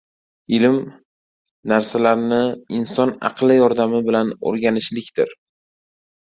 Ilm — narsalarni inson aqli yordami bilan o‘rganishlikdir.